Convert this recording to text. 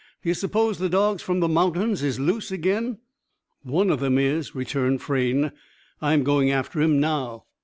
D'you s'pose the dogs from the mountains is loose again?" "One of them is," returned Frayne. "I'm going after him, now."